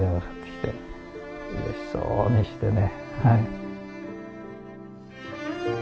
うれしそうにしてね。